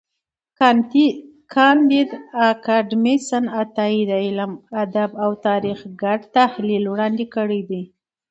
کانديد اکاډميسن عطایي د علم، ادب او تاریخ ګډ تحلیل وړاندي کړی دی.